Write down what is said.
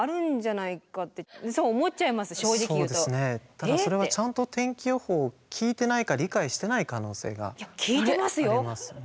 ただそれはちゃんと天気予報を聞いてないか理解してない可能性がありますね。